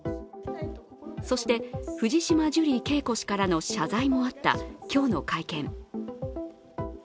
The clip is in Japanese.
そして、藤島ジュリー景子氏からの謝罪もあった今日の会見。